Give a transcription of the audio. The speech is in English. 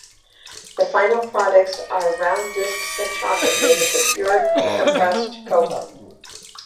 The final products are round discs of chocolate made of pure compressed cocoa.